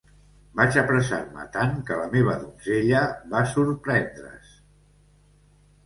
Vaig apressar-me tant que la meva donzella va sorprendre's.